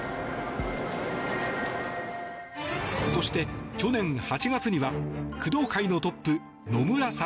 そして、去年８月には工藤会のトップ、野村悟